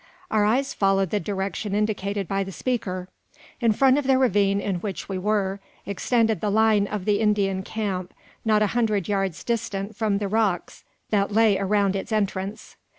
Our eyes followed the direction indicated by the speaker. In front of the ravine in which we were, extended the line of the Indian camp, not a hundred yards distant from the rocks that lay around its entrance.